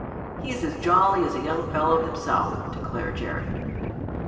"He's as jolly as a young fellow himself," declared Jerry.